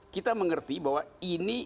kita mengerti bahwa ini